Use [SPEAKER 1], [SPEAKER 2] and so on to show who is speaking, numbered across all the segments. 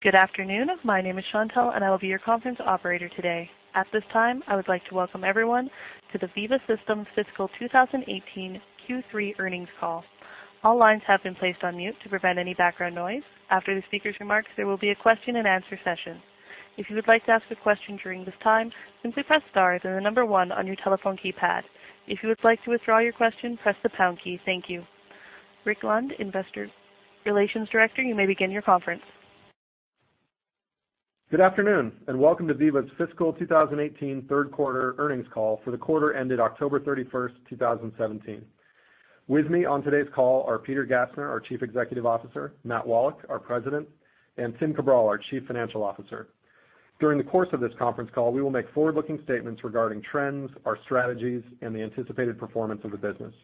[SPEAKER 1] Good afternoon. My name is Chantelle, and I will be your conference operator today. At this time, I would like to welcome everyone to the Veeva Systems Fiscal 2018 Q3 Earnings Call. All lines have been placed on mute to prevent any background noise. After the speaker's remarks, there will be a question and answer session. If you would like to ask a question during this time, simply press star, then the number 1 on your telephone keypad. If you would like to withdraw your question, press the pound key. Thank you. Rick Lund, Investor Relations Director, you may begin your conference.
[SPEAKER 2] Good afternoon. Welcome to Veeva's Fiscal 2018 Third Quarter Earnings Call for the quarter ended October 31, 2017. With me on today's call are Peter Gassner, our Chief Executive Officer, Matt Wallach, our President, and Tim Cabral, our Chief Financial Officer. During the course of this conference call, we will make forward-looking statements regarding trends, our strategies, and the anticipated performance of the business.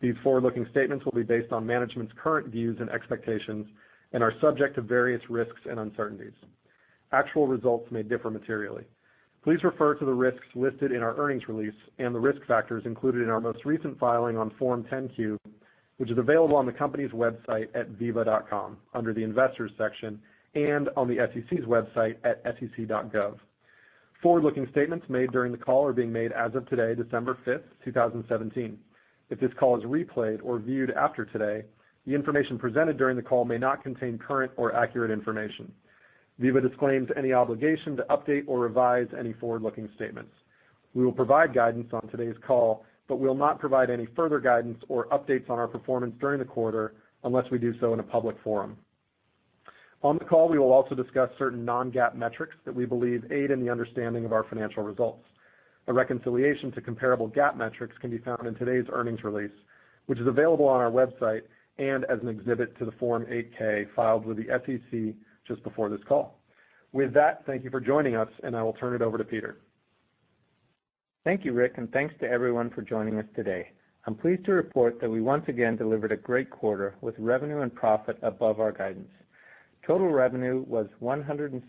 [SPEAKER 2] These forward-looking statements will be based on management's current views and expectations and are subject to various risks and uncertainties. Actual results may differ materially. Please refer to the risks listed in our earnings release and the risk factors included in our most recent filing on Form 10-Q, which is available on the company's website at veeva.com, under the Investors section, and on the SEC's website at sec.gov. Forward-looking statements made during the call are being made as of today, December 5, 2017. If this call is replayed or viewed after today, the information presented during the call may not contain current or accurate information. Veeva disclaims any obligation to update or revise any forward-looking statements. We will provide guidance on today's call, but we will not provide any further guidance or updates on our performance during the quarter unless we do so in a public forum. On the call, we will also discuss certain non-GAAP metrics that we believe aid in the understanding of our financial results. A reconciliation to comparable GAAP metrics can be found in today's earnings release, which is available on our website and as an exhibit to the Form 8-K filed with the SEC just before this call. With that, thank you for joining us. I will turn it over to Peter.
[SPEAKER 3] Thank you, Rick. Thanks to everyone for joining us today. I'm pleased to report that we once again delivered a great quarter with revenue and profit above our guidance. Total revenue was $176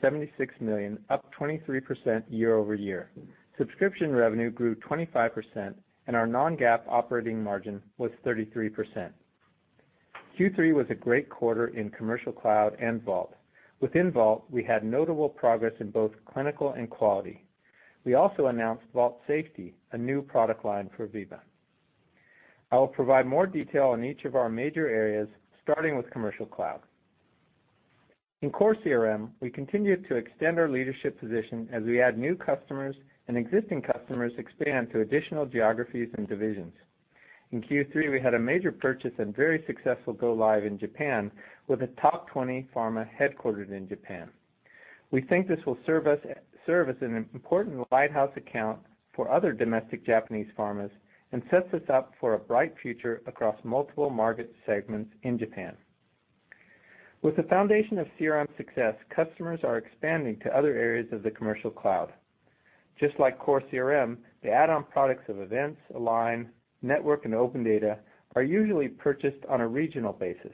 [SPEAKER 3] million, up 23% year-over-year. Subscription revenue grew 25% and our non-GAAP operating margin was 33%. Q3 was a great quarter in Commercial Cloud and Vault. Within Vault, we had notable progress in both clinical and quality. We also announced Vault Safety, a new product line for Veeva. I will provide more detail on each of our major areas, starting with Commercial Cloud. In Core CRM, we continued to extend our leadership position as we add new customers and existing customers expand to additional geographies and divisions. In Q3, we had a major purchase and very successful go live in Japan with a top 20 pharma headquartered in Japan. We think this will serve as an important lighthouse account for other domestic Japanese pharmas and sets us up for a bright future across multiple market segments in Japan. With the foundation of Veeva CRM success, customers are expanding to other areas of the Veeva Commercial Cloud. Just like Core CRM, the add-on products of Events, Veeva Align, Veeva Network, and Veeva OpenData are usually purchased on a regional basis.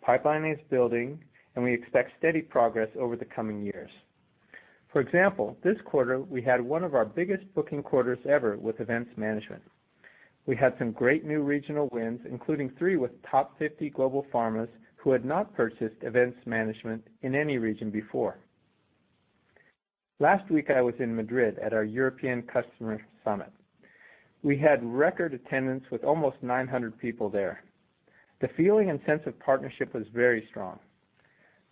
[SPEAKER 3] Pipeline is building, and we expect steady progress over the coming years. For example, this quarter, we had one of our biggest booking quarters ever with Veeva Events Management. We had some great new regional wins, including three with top 50 global pharmas who had not purchased Veeva Events Management in any region before. Last week, I was in Madrid at our Veeva European Commercial & Medical Summit. We had record attendance with almost 900 people there. The feeling and sense of partnership was very strong.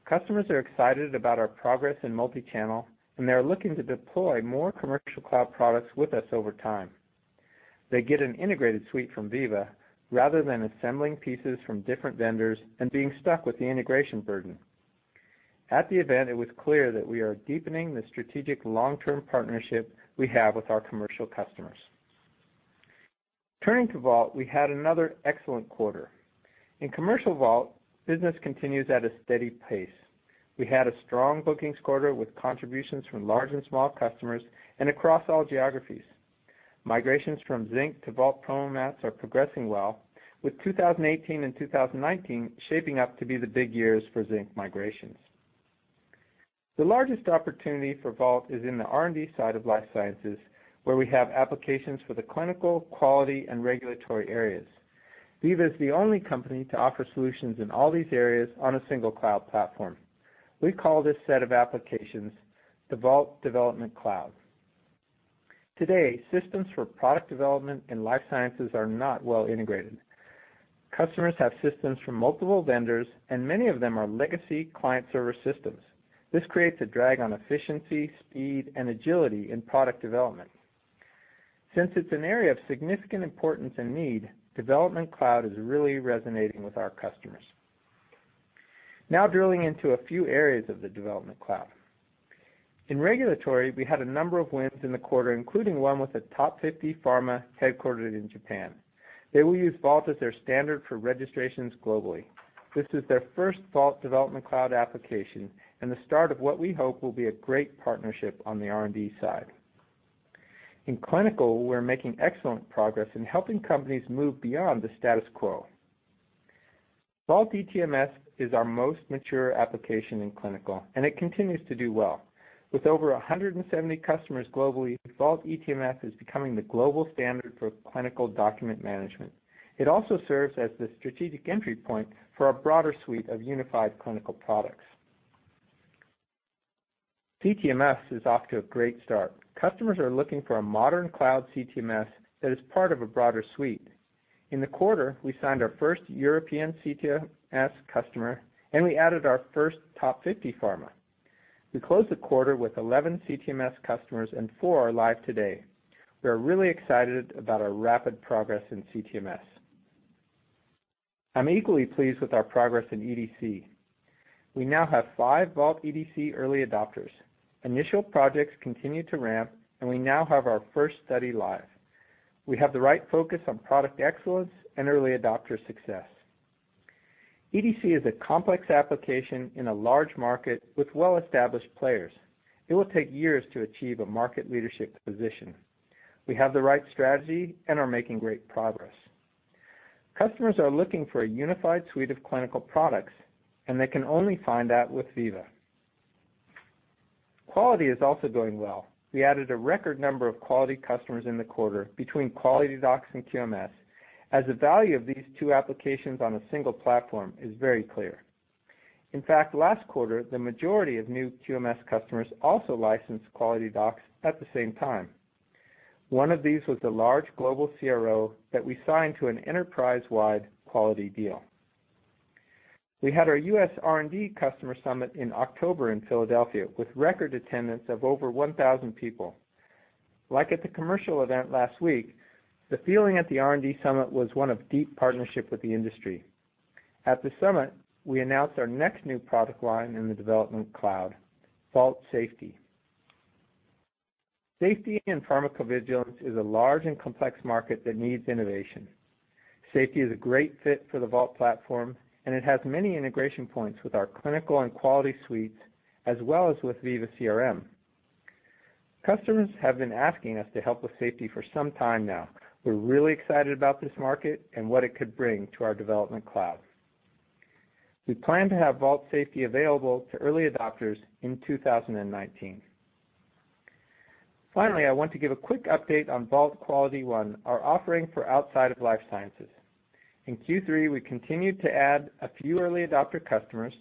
[SPEAKER 3] Customers are excited about our progress in multichannel, and they are looking to deploy more Veeva Commercial Cloud products with us over time. They get an integrated suite from Veeva rather than assembling pieces from different vendors and being stuck with the integration burden. At the event, it was clear that we are deepening the strategic long-term partnership we have with our commercial customers. Turning to Vault, we had another excellent quarter. In Commercial Vault, business continues at a steady pace. We had a strong bookings quarter with contributions from large and small customers and across all geographies. Migrations from Zinc to Vault PromoMats are progressing well, with 2018 and 2019 shaping up to be the big years for Zinc migrations. The largest opportunity for Vault is in the R&D side of life sciences, where we have applications for the clinical, quality, and regulatory areas. Veeva is the only company to offer solutions in all these areas on a single cloud platform. We call this set of applications the Veeva Development Cloud. Today, systems for product development and life sciences are not well integrated. Customers have systems from multiple vendors, and many of them are legacy client-server systems. This creates a drag on efficiency, speed, and agility in product development. Since it's an area of significant importance and need, Veeva Development Cloud is really resonating with our customers. Now drilling into a few areas of the Veeva Development Cloud. In regulatory, we had a number of wins in the quarter, including one with a top 50 pharma headquartered in Japan. They will use Vault as their standard for registrations globally. This is their first Veeva Development Cloud application and the start of what we hope will be a great partnership on the R&D side. In clinical, we're making excellent progress in helping companies move beyond the status quo. Vault eTMF is our most mature application in clinical, and it continues to do well. With over 170 customers globally, Vault eTMF is becoming the global standard for clinical document management. It also serves as the strategic entry point for our broader suite of unified clinical products. CTMS is off to a great start. Customers are looking for a modern cloud CTMS that is part of a broader suite. In the quarter, we signed our first European CTMS customer, and we added our first top 50 pharma. We closed the quarter with 11 CTMS customers and four are live today. We are really excited about our rapid progress in CTMS. I'm equally pleased with our progress in EDC. We now have five Vault EDC early adopters. Initial projects continue to ramp. We now have our first study live. We have the right focus on product excellence and early adopter success. EDC is a complex application in a large market with well-established players. It will take years to achieve a market leadership position. We have the right strategy and are making great progress. Customers are looking for a unified suite of clinical products, and they can only find that with Veeva. Quality is also going well. We added a record number of quality customers in the quarter between QualityDocs and QMS, as the value of these two applications on a single platform is very clear. In fact, last quarter, the majority of new QMS customers also licensed QualityDocs at the same time. One of these was a large global CRO that we signed to an enterprise-wide quality deal. We had our U.S. R&D customer summit in October in Philadelphia with record attendance of over 1,000 people. Like at the commercial event last week, the feeling at the R&D summit was one of deep partnership with the industry. At the summit, we announced our next new product line in the development cloud, Vault Safety. Safety and pharmacovigilance is a large and complex market that needs innovation. Safety is a great fit for the Vault platform. It has many integration points with our clinical and quality suites, as well as with Veeva CRM. Customers have been asking us to help with safety for some time now. We're really excited about this market and what it could bring to our development cloud. We plan to have Vault Safety available to early adopters in 2019. Finally, I want to give a quick update on Vault QualityOne, our offering for outside of life sciences. In Q3, we continued to add a few early adopter customers.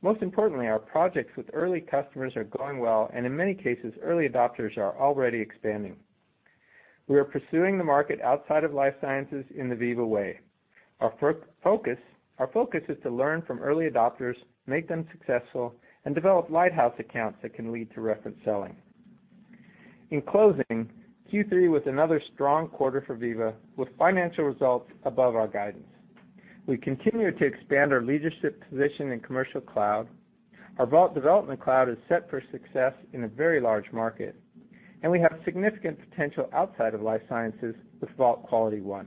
[SPEAKER 3] Most importantly, our projects with early customers are going well. In many cases, early adopters are already expanding. We are pursuing the market outside of life sciences in the Veeva way. Our focus is to learn from early adopters, make them successful, and develop lighthouse accounts that can lead to reference selling. In closing, Q3 was another strong quarter for Veeva, with financial results above our guidance. We continue to expand our leadership position in commercial cloud. Our Vault Development Cloud is set for success in a very large market. We have significant potential outside of life sciences with Vault QualityOne.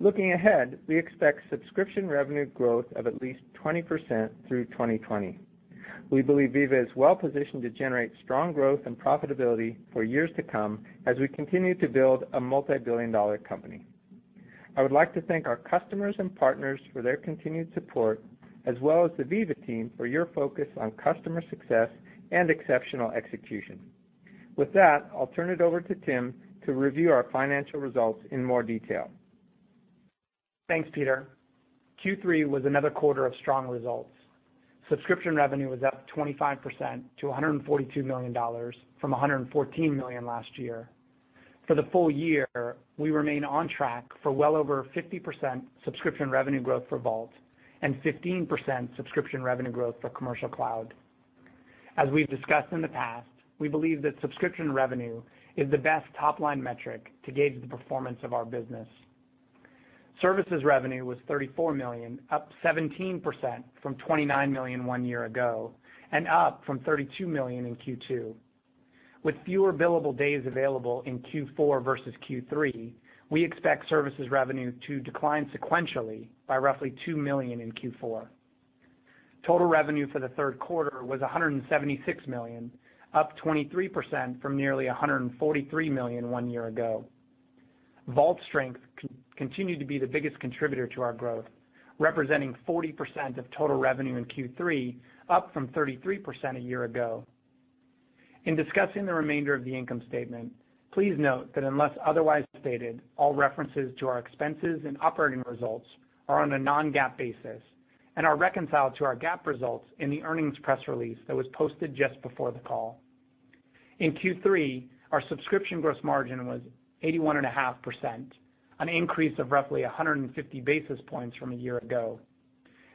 [SPEAKER 3] Looking ahead, we expect subscription revenue growth of at least 20% through 2020. We believe Veeva is well-positioned to generate strong growth and profitability for years to come as we continue to build a multibillion-dollar company. I would like to thank our customers and partners for their continued support, as well as the Veeva team for your focus on customer success and exceptional execution. With that, I'll turn it over to Tim to review our financial results in more detail.
[SPEAKER 4] Thanks, Peter. Q3 was another quarter of strong results. Subscription revenue was up 25% to $142 million from $114 million last year. For the full year, we remain on track for well over 50% subscription revenue growth for Vault and 15% subscription revenue growth for Commercial Cloud. As we've discussed in the past, we believe that subscription revenue is the best top-line metric to gauge the performance of our business. Services revenue was $34 million, up 17% from $29 million one year ago, and up from $32 million in Q2. With fewer billable days available in Q4 versus Q3, we expect services revenue to decline sequentially by roughly $2 million in Q4. Total revenue for the third quarter was $176 million, up 23% from nearly $143 million one year ago. Vault strength continued to be the biggest contributor to our growth, representing 40% of total revenue in Q3, up from 33% a year ago. In discussing the remainder of the income statement, please note that unless otherwise stated, all references to our expenses and operating results are on a non-GAAP basis and are reconciled to our GAAP results in the earnings press release that was posted just before the call. In Q3, our subscription gross margin was 81.5%, an increase of roughly 150 basis points from a year ago.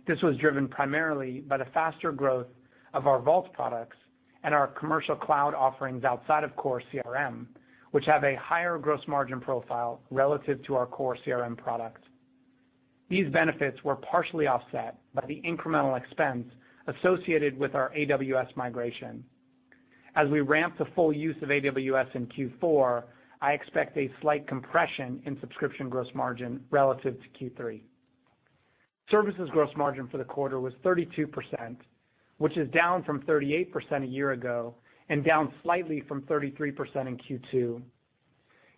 [SPEAKER 4] This was driven primarily by the faster growth of our Vault products and our Commercial Cloud offerings outside of core CRM, which have a higher gross margin profile relative to our core CRM products. These benefits were partially offset by the incremental expense associated with our AWS migration. As we ramp to full use of AWS in Q4, I expect a slight compression in subscription gross margin relative to Q3. Services gross margin for the quarter was 32%, which is down from 38% a year ago and down slightly from 33% in Q2.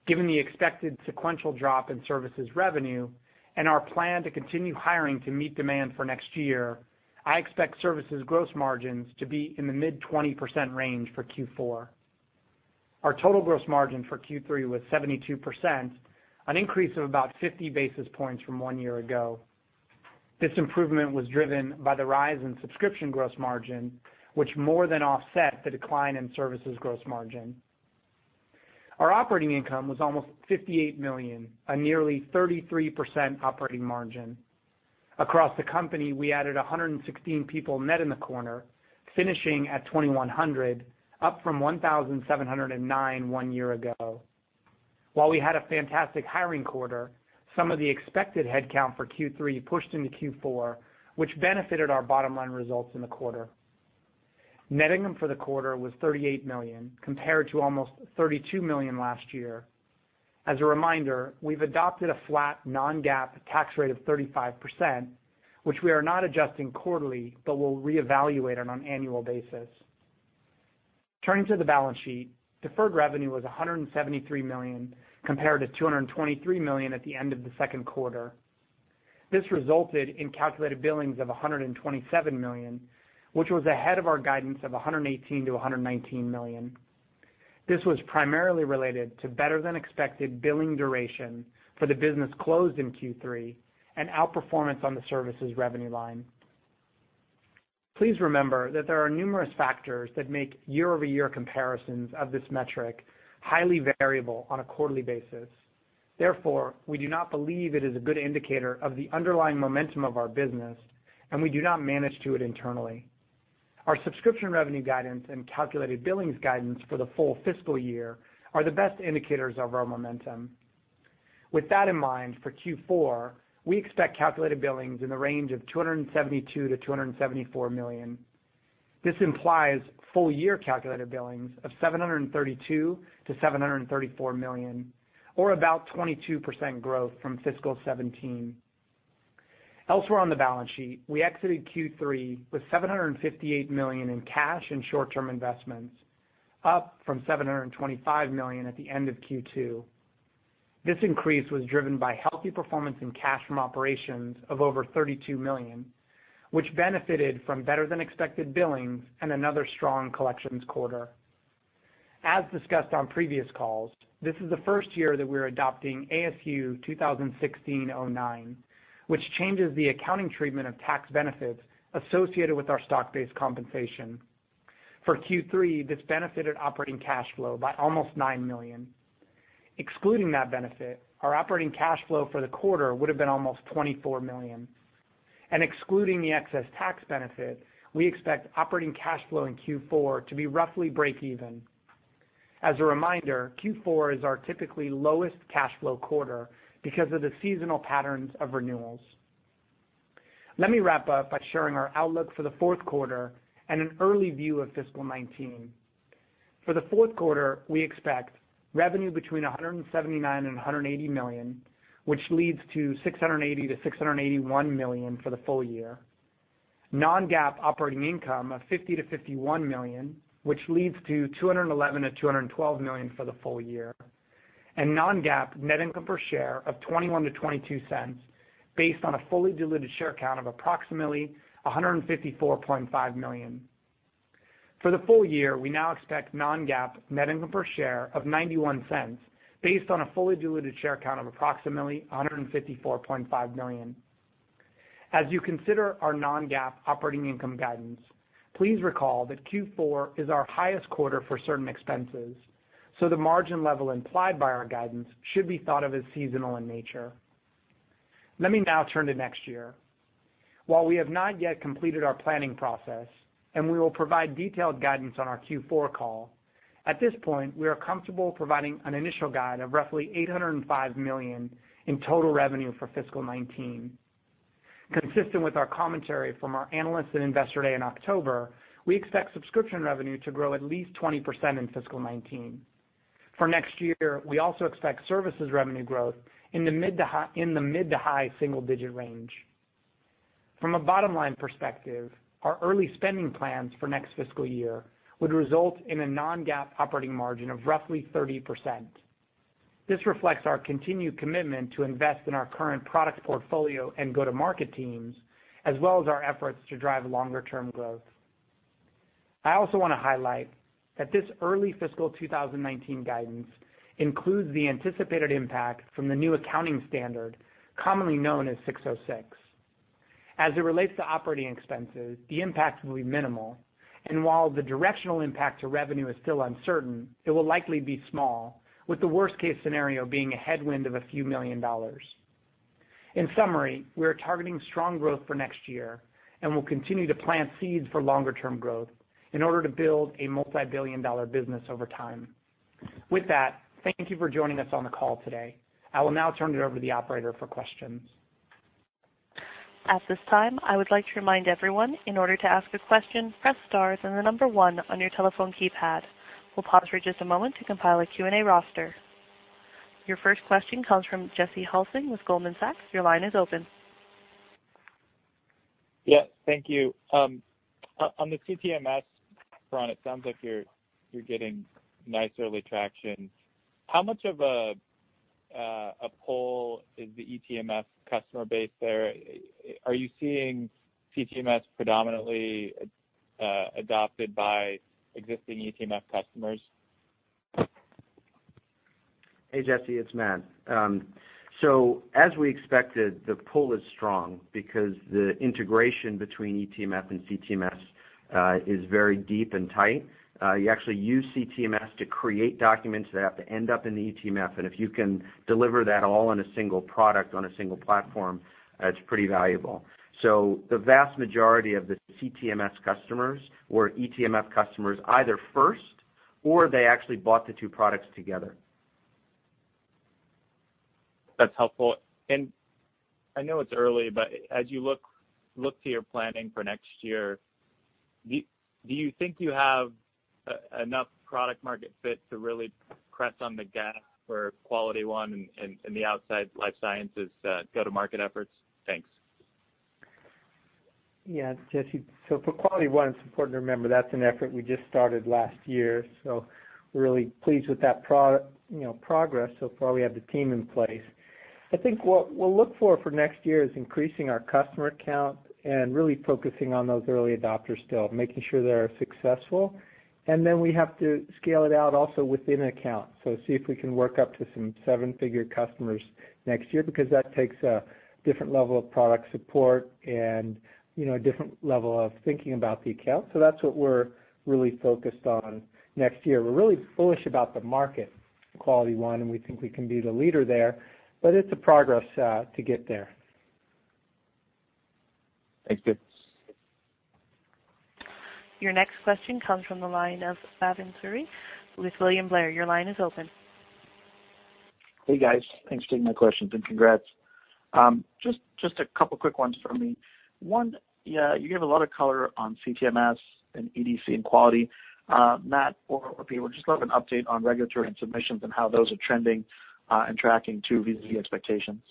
[SPEAKER 4] Given the expected sequential drop in services revenue and our plan to continue hiring to meet demand for next year, I expect services gross margins to be in the mid-20% range for Q4. Our total gross margin for Q3 was 72%, an increase of about 50 basis points from one year ago. This improvement was driven by the rise in subscription gross margin, which more than offset the decline in services gross margin. Our operating income was almost $58 million, a nearly 33% operating margin. Across the company, we added 116 people net in the quarter, finishing at 2,100, up from 1,709 one year ago. While we had a fantastic hiring quarter, some of the expected headcount for Q3 pushed into Q4, which benefited our bottom-line results in the quarter. Net income for the quarter was $38 million, compared to almost $32 million last year. As a reminder, we've adopted a flat non-GAAP tax rate of 35%, which we are not adjusting quarterly, but will reevaluate on an annual basis. Turning to the balance sheet, deferred revenue was $173 million, compared to $223 million at the end of the second quarter. This resulted in calculated billings of $127 million, which was ahead of our guidance of $118 million to $119 million. This was primarily related to better-than-expected billing duration for the business closed in Q3 and outperformance on the services revenue line. Please remember that there are numerous factors that make year-over-year comparisons of this metric highly variable on a quarterly basis. Therefore, we do not believe it is a good indicator of the underlying momentum of our business, and we do not manage to it internally. Our subscription revenue guidance and calculated billings guidance for the full fiscal year are the best indicators of our momentum. With that in mind, for Q4, we expect calculated billings in the range of $272 million-$274 million. This implies full-year calculated billings of $732 million-$734 million, or about 22% growth from fiscal 2017. Elsewhere on the balance sheet, we exited Q3 with $758 million in cash and short-term investments, up from $725 million at the end of Q2. This increase was driven by healthy performance in cash from operations of over $32 million, which benefited from better-than-expected billings and another strong collections quarter. As discussed on previous calls, this is the first year that we're adopting ASU 2016-09, which changes the accounting treatment of tax benefits associated with our stock-based compensation. For Q3, this benefited operating cash flow by almost $9 million. Excluding that benefit, our operating cash flow for the quarter would've been almost $24 million. Excluding the excess tax benefit, we expect operating cash flow in Q4 to be roughly break even. As a reminder, Q4 is our typically lowest cash flow quarter because of the seasonal patterns of renewals. Let me wrap up by sharing our outlook for the fourth quarter and an early view of fiscal 2019. For the fourth quarter, we expect revenue between $179 million-$180 million, which leads to $680 million-$681 million for the full year. Non-GAAP operating income of $50 million-$51 million, which leads to $211 million-$212 million for the full year, and non-GAAP net income per share of $0.21-$0.22 based on a fully diluted share count of approximately 154.5 million. For the full year, we now expect non-GAAP net income per share of $0.91 based on a fully diluted share count of approximately 154.5 million. As you consider our non-GAAP operating income guidance, please recall that Q4 is our highest quarter for certain expenses, so the margin level implied by our guidance should be thought of as seasonal in nature. Let me now turn to next year. While we have not yet completed our planning process, we will provide detailed guidance on our Q4 call, at this point, we are comfortable providing an initial guide of roughly $805 million in total revenue for fiscal 2019. Consistent with our commentary from our Analyst and Investor Day in October, we expect subscription revenue to grow at least 20% in fiscal 2019. For next year, we also expect services revenue growth in the mid to high single-digit range. From a bottom-line perspective, our early spending plans for next fiscal year would result in a non-GAAP operating margin of roughly 30%. This reflects our continued commitment to invest in our current product portfolio and go-to-market teams, as well as our efforts to drive longer-term growth. I also want to highlight that this early fiscal 2019 guidance includes the anticipated impact from the new accounting standard, commonly known as 606. As it relates to operating expenses, the impact will be minimal, and while the directional impact to revenue is still uncertain, it will likely be small, with the worst-case scenario being a headwind of a few million dollars. In summary, we are targeting strong growth for next year and will continue to plant seeds for longer-term growth in order to build a multi-billion-dollar business over time. With that, thank you for joining us on the call today. I will now turn it over to the operator for questions.
[SPEAKER 1] At this time, I would like to remind everyone, in order to ask a question, press star and the number 1 on your telephone keypad. We'll pause for just a moment to compile a Q&A roster. Your first question comes from Jesse Hulsing with Goldman Sachs. Your line is open.
[SPEAKER 5] Yeah. Thank you. On the CTMS front, it sounds like you're getting nice early traction. How much of a A pull in the eTMF customer base there. Are you seeing CTMS predominantly adopted by existing eTMF customers?
[SPEAKER 6] Hey, Jesse, it's Matt. As we expected, the pull is strong because the integration between eTMF and CTMS is very deep and tight. You actually use CTMS to create documents that have to end up in the eTMF, if you can deliver that all in a single product on a single platform, that's pretty valuable. The vast majority of the CTMS customers were eTMF customers either first or they actually bought the two products together.
[SPEAKER 5] That's helpful. I know it's early, but as you look to your planning for next year, do you think you have enough product-market fit to really press on the gas for QualityOne and the outside life sciences go-to-market efforts? Thanks.
[SPEAKER 3] Yeah, Jesse. For QualityOne, it's important to remember that's an effort we just started last year, we're really pleased with that progress so far. We have the team in place. I think what we'll look for next year is increasing our customer count and really focusing on those early adopters still, making sure they are successful. Then we have to scale it out also within an account. See if we can work up to some seven-figure customers next year, because that takes a different level of product support and a different level of thinking about the account. That's what we're really focused on next year. We're really bullish about the market for QualityOne, we think we can be the leader there, it's a progress to get there.
[SPEAKER 5] Thanks. Good.
[SPEAKER 1] Your next question comes from the line of Bhavin Suri with William Blair. Your line is open.
[SPEAKER 7] Hey, guys. Thanks for taking my questions, congrats. Just a couple quick ones from me. One, you gave a lot of color on CTMS and EDC and Quality. Matt or Peter, would just love an update on regulatory and submissions and how those are trending and tracking to Veeva expectations.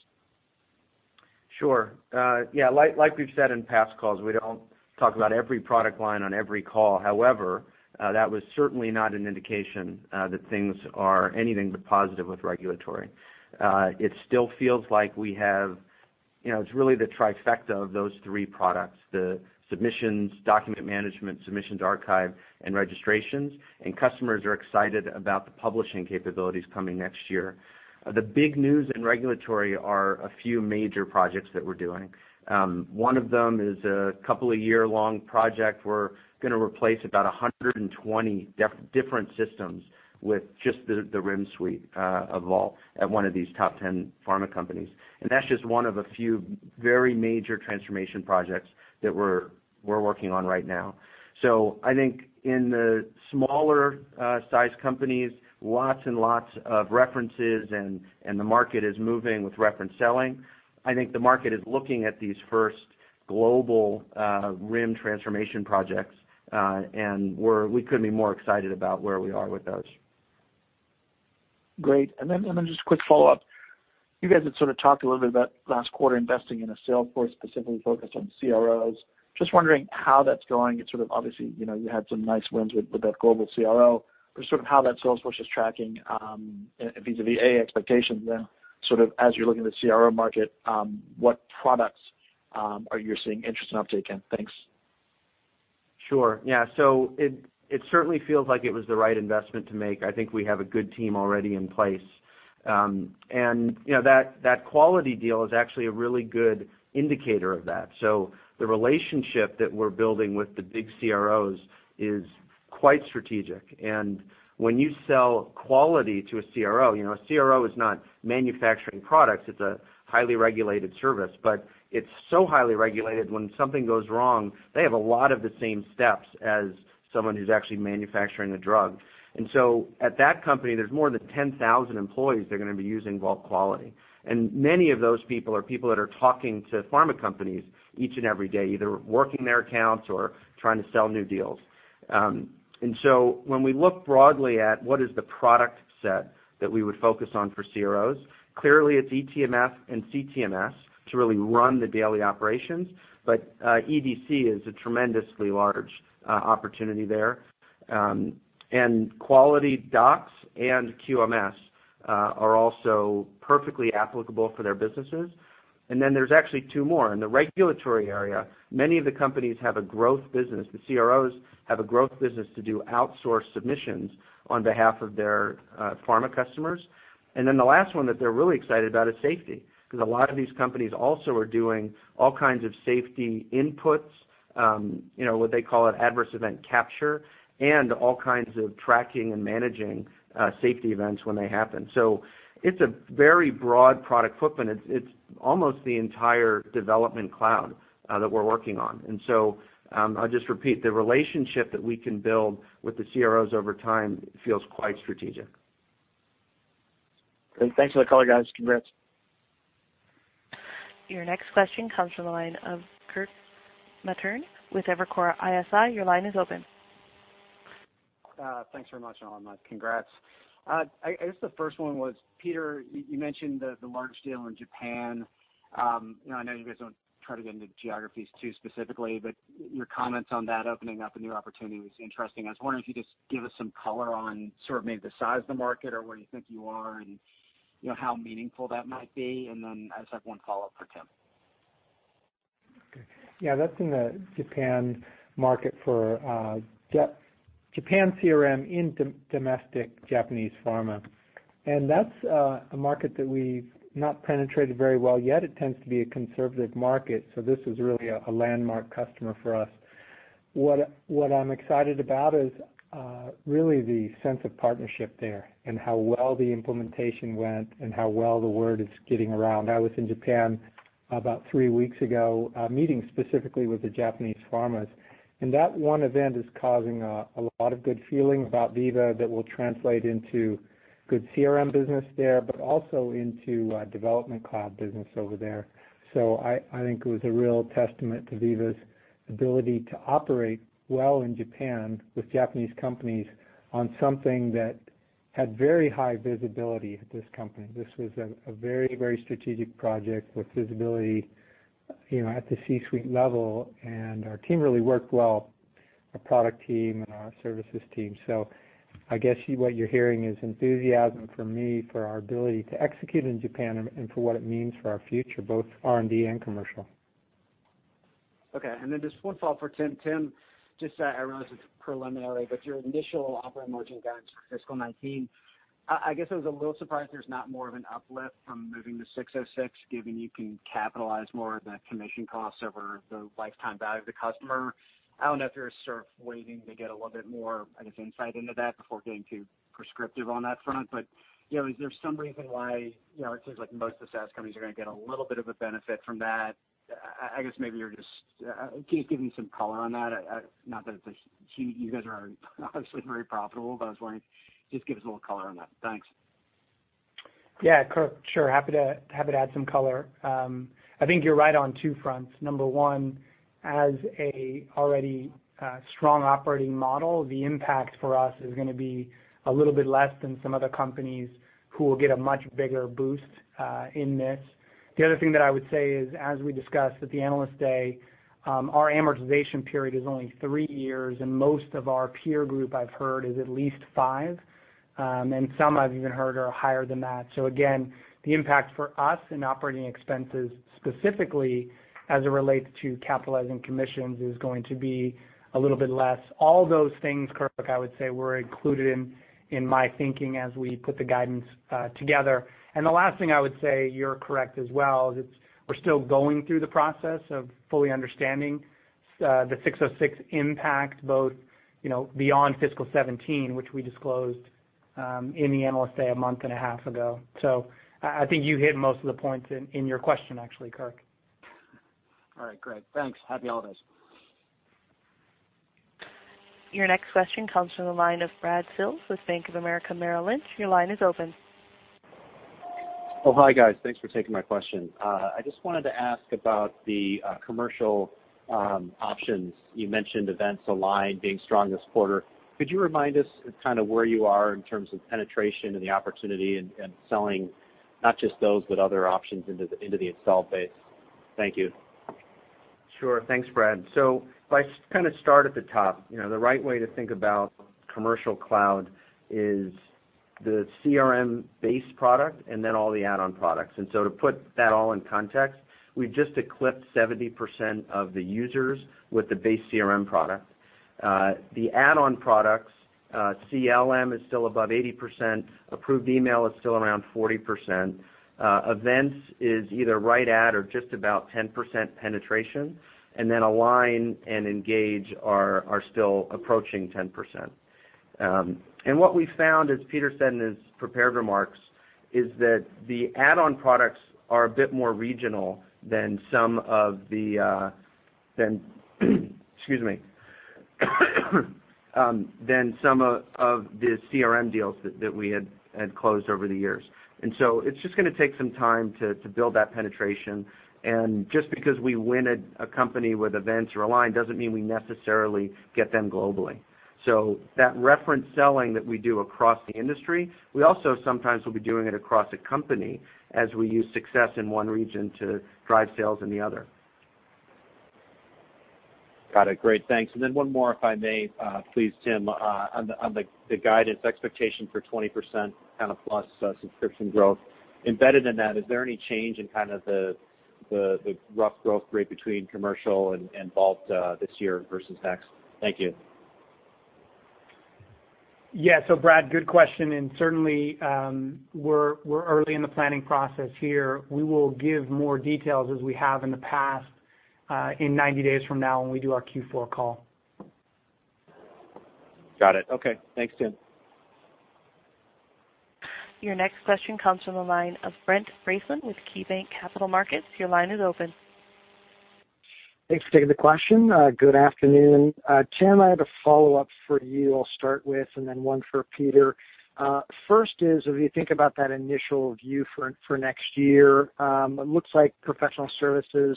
[SPEAKER 6] Sure. Like we've said in past calls, we don't talk about every product line on every call. However, that was certainly not an indication that things are anything but positive with regulatory. It still feels like it's really the trifecta of those three products, the submissions, document management, submissions archive, and registrations, customers are excited about the publishing capabilities coming next year. The big news in regulatory are a few major projects that we're doing. One of them is a couple of year-long project. We're going to replace about 120 different systems with just the RIM suite of Vault at one of these top 10 pharma companies. That's just one of a few very major transformation projects that we're working on right now. I think in the smaller-sized companies, lots and lots of references and the market is moving with reference selling. I think the market is looking at these first global RIM transformation projects, we couldn't be more excited about where we are with those.
[SPEAKER 7] Great. Just a quick follow-up. You guys had talked a little bit about last quarter investing in a sales force specifically focused on CROs. Just wondering how that's going. It's obviously, you had some nice wins with that global CRO, how that sales force is tracking vis-a-vis expectations as you're looking at the CRO market, what products are you seeing interest and uptake in? Thanks.
[SPEAKER 6] Sure. Yeah. It certainly feels like it was the right investment to make. I think we have a good team already in place. That Quality deal is actually a really good indicator of that. The relationship that we're building with the big CROs is quite strategic. When you sell Quality to a CRO, a CRO is not manufacturing products, it's a highly regulated service, it's so highly regulated when something goes wrong, they have a lot of the same steps as someone who's actually manufacturing a drug. At that company, there's more than 10,000 employees that are going to be using Vault Quality. Many of those people are people that are talking to pharma companies each and every day, either working their accounts or trying to sell new deals. When we look broadly at what is the product set that we would focus on for CROs, clearly it's eTMF and CTMS to really run the daily operations. EDC is a tremendously large opportunity there. QualityDocs and QMS are also perfectly applicable for their businesses. There's actually two more. In the regulatory area, many of the companies have a growth business. The CROs have a growth business to do outsourced submissions on behalf of their pharma customers. The last one that they're really excited about is safety, because a lot of these companies also are doing all kinds of safety inputs, what they call adverse event capture, and all kinds of tracking and managing safety events when they happen. It's a very broad product footprint. It's almost the entire Development Cloud that we're working on. I'll just repeat, the relationship that we can build with the CROs over time feels quite strategic.
[SPEAKER 7] Great. Thanks for the color, guys. Congrats.
[SPEAKER 1] Your next question comes from the line of Kirk Materne with Evercore ISI. Your line is open.
[SPEAKER 8] Thanks very much. Congrats. I guess the first one was, Peter, you mentioned the large deal in Japan. I know you guys don't try to get into geographies too specifically, but your comments on that opening up a new opportunity was interesting. I was wondering if you could just give us some color on sort of maybe the size of the market or where you think you are and how meaningful that might be. Then I just have one follow-up for Tim.
[SPEAKER 3] Yeah, that's in the Japan market for Japan CRM in domestic Japanese pharma. That's a market that we've not penetrated very well yet. It tends to be a conservative market, so this was really a landmark customer for us. What I'm excited about is really the sense of partnership there and how well the implementation went and how well the word is getting around. I was in Japan about three weeks ago, meeting specifically with the Japanese pharmas, and that one event is causing a lot of good feeling about Veeva that will translate into good CRM business there, but also into Development Cloud business over there. I think it was a real testament to Veeva's ability to operate well in Japan with Japanese companies on something that had very high visibility at this company. This was a very strategic project with visibility at the C-suite level, our team really worked well, our product team and our services team. I guess what you're hearing is enthusiasm from me for our ability to execute in Japan and for what it means for our future, both R&D and commercial.
[SPEAKER 8] Just one follow-up for Tim. Tim, I realize it's preliminary, your initial operating margin guidance for fiscal 2019, I guess I was a little surprised there's not more of an uplift from moving to 606, given you can capitalize more of the commission costs over the lifetime value of the customer. I don't know if you're sort of waiting to get a little bit more, I guess, insight into that before getting too prescriptive on that front. Is there some reason why, it seems like most of the SaaS companies are going to get a little bit of a benefit from that. Can you just give me some color on that? You guys are obviously very profitable, but I was wondering, just give us a little color on that. Thanks.
[SPEAKER 4] Kirk. Sure, happy to add some color. I think you're right on two fronts. Number 1, as an already strong operating model, the impact for us is going to be a little bit less than some other companies who will get a much bigger boost in this. The other thing that I would say is, as we discussed at the Analyst Day, our amortization period is only three years, and most of our peer group, I've heard, is at least five, and some I've even heard are higher than that. Again, the impact for us in operating expenses specifically as it relates to capitalizing commissions, is going to be a little bit less. All those things, Kirk, I would say, were included in my thinking as we put the guidance together. The last thing I would say, you're correct as well, is we're still going through the process of fully understanding the 606 impact, both beyond fiscal 2017, which we disclosed in the Analyst Day a month and a half ago. I think you hit most of the points in your question, actually, Kirk.
[SPEAKER 8] All right, great. Thanks. Happy holidays.
[SPEAKER 1] Your next question comes from the line of Brad Sills with Bank of America Merrill Lynch. Your line is open.
[SPEAKER 9] Oh, hi, guys. Thanks for taking my question. I just wanted to ask about the commercial options. You mentioned Events Align being strong this quarter. Could you remind us kind of where you are in terms of penetration and the opportunity and selling not just those, but other options into the installed base? Thank you.
[SPEAKER 3] Sure. Thanks, Brad. If I kind of start at the top, the right way to think about Commercial Cloud is the CRM base product and then all the add-on products. To put that all in context, we've just eclipsed 70% of the users with the base CRM product. The add-on products, CLM is still above 80%, Approved Email is still around 40%, Events is either right at or just about 10% penetration, and then Align and Engage are still approaching 10%. What we've found, as Peter said in his prepared remarks, is that the add-on products are a bit more regional than some of the excuse me, than some of the CRM deals that we had closed over the years. It's just going to take some time to build that penetration, just because we win a company with Veeva Events Management or Veeva Align doesn't mean we necessarily get them globally. That reference selling that we do across the industry, we also sometimes will be doing it across a company as we use success in one region to drive sales in the other.
[SPEAKER 9] Got it. Great, thanks. One more, if I may please, Tim, on the guidance expectation for 20% kind of plus subscription growth. Embedded in that, is there any change in kind of the rough growth rate between Veeva Commercial Cloud and Veeva Vault this year versus next? Thank you.
[SPEAKER 4] Brad, good question, and certainly, we're early in the planning process here. We will give more details as we have in the past in 90 days from now when we do our Q4 call.
[SPEAKER 9] Got it. Okay. Thanks, Tim.
[SPEAKER 1] Your next question comes from the line of Brent Bracelin with KeyBanc Capital Markets. Your line is open.
[SPEAKER 10] Thanks for taking the question. Good afternoon. Tim, I have a follow-up for you I'll start with, and then one for Peter. First is, if you think about that initial view for next year, it looks like professional services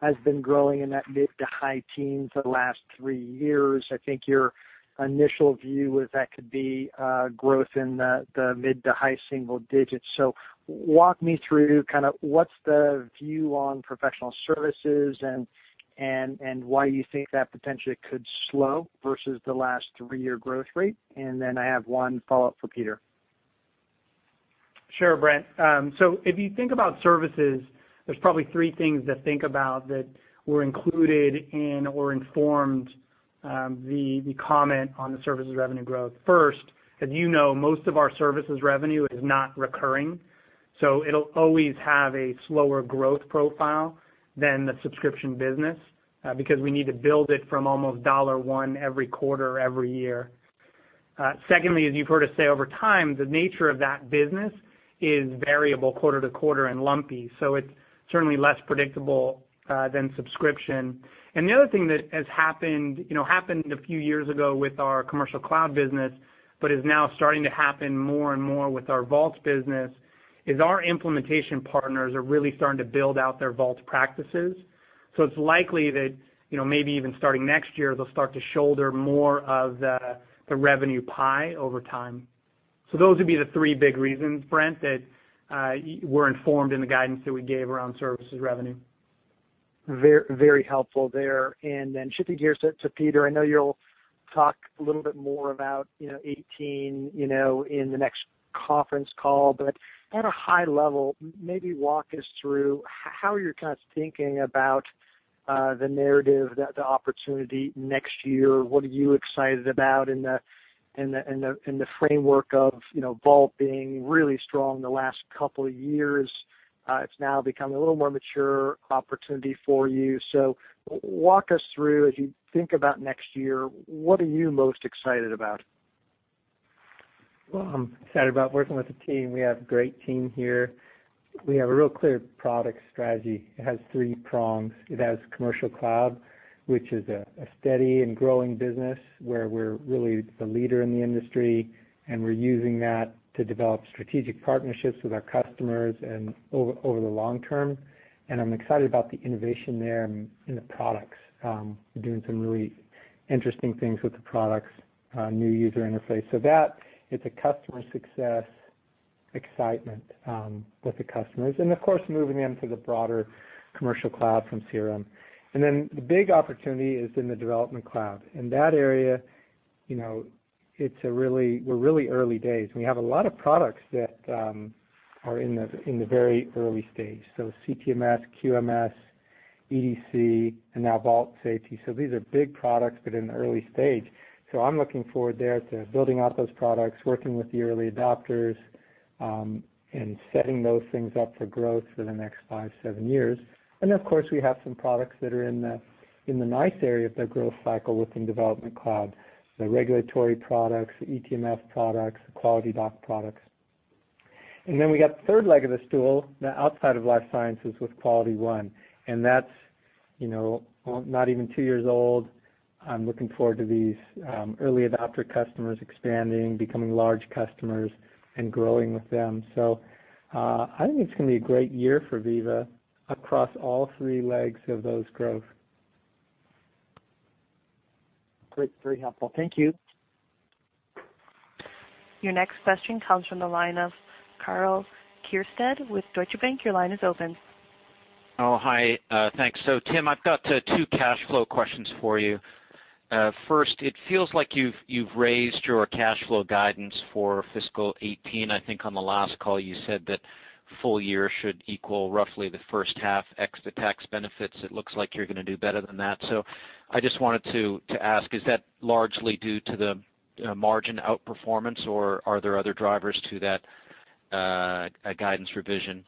[SPEAKER 10] has been growing in that mid to high teens for the last three years. I think your initial view was that could be growth in the mid to high single digits. Walk me through kind of what's the view on professional services and why you think that potentially could slow versus the last three-year growth rate? I have one follow-up for Peter.
[SPEAKER 4] Sure, Brent. If you think about services, there's probably three things to think about that were included in or informed the comment on the services revenue growth. First, as you know, most of our services revenue is not recurring, so it'll always have a slower growth profile than the subscription business, because we need to build it from almost dollar one every quarter, every year. Secondly, as you've heard us say, over time, the nature of that business is variable quarter to quarter and lumpy. It's certainly less predictable than subscription. The other thing that has happened a few years ago with our Commercial Cloud business, but is now starting to happen more and more with our Vault business, is our implementation partners are really starting to build out their Vault practices. It's likely that, maybe even starting next year, they'll start to shoulder more of the revenue pie over time. Those would be the three big reasons, Brent, that were informed in the guidance that we gave around services revenue.
[SPEAKER 10] Very helpful there. Shifting gears to Peter, I know you'll talk a little bit more about 2018 in the next conference call, but at a high level, maybe walk us through how you're thinking about the narrative, the opportunity next year. What are you excited about in the framework of Vault being really strong the last couple of years? It's now become a little more mature opportunity for you. Walk us through, as you think about next year, what are you most excited about?
[SPEAKER 3] I'm excited about working with the team. We have a great team here. We have a real clear product strategy. It has three prongs. It has Commercial Cloud, which is a steady and growing business where we're really the leader in the industry, and we're using that to develop strategic partnerships with our customers and over the long term. I'm excited about the innovation there and in the products. We're doing some really interesting things with the products, new user interface. That it's a customer success excitement with the customers. Of course, moving into the broader Commercial Cloud from Veeva CRM. The big opportunity is in the Development Cloud. In that area, we're really early days. We have a lot of products that are in the very early stage. CTMS, QMS, EDC, and now Veeva Vault Safety. These are big products, but in the early stage. I'm looking forward there to building out those products, working with the early adopters, and setting those things up for growth for the next five, seven years. Of course, we have some products that are in the nice area of their growth cycle within Development Cloud. The regulatory products, the eTMF products, the QualityDocs products. We got the third leg of the stool, the outside of life sciences with QualityOne. That's not even two years old. I'm looking forward to these early adopter customers expanding, becoming large customers, and growing with them. I think it's going to be a great year for Veeva across all three legs of those growth.
[SPEAKER 10] Great. Very helpful. Thank you.
[SPEAKER 1] Your next question comes from the line of Karl Keirstead with Deutsche Bank. Your line is open.
[SPEAKER 11] Oh, hi. Thanks. Tim, I've got two cash flow questions for you. First, it feels like you've raised your cash flow guidance for fiscal 2018. I think on the last call you said that full year should equal roughly the first half, ex the tax benefits. It looks like you're going to do better than that. I just wanted to ask, is that largely due to the margin outperformance or are there other drivers to that guidance revision?